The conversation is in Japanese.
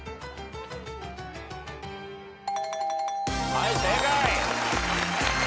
はい正解。